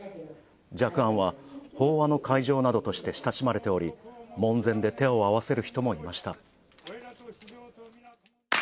寂庵は法話の会場などとして親しまれており門前で手を合わせる人もいました。